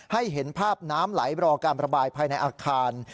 เห็นภาพน้ำไหลรอการระบายภายในอาคาร